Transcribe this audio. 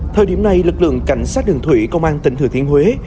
thời điểm này lực lượng cảnh sát đường thủy công an tỉnh thừa thiên huế